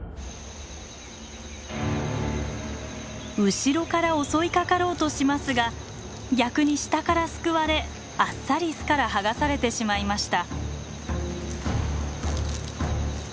後ろから襲いかかろうとしますが逆に下からすくわれあっさり巣から剥がされてしまいました。